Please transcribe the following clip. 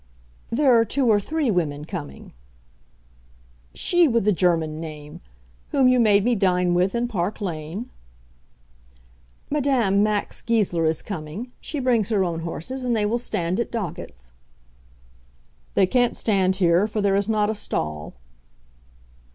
"There are two or three women coming." "She with the German name, whom you made me dine with in Park Lane?" "Madame Max Goesler is coming. She brings her own horses, and they will stand at Doggett's." "They can't stand here, for there is not a stall."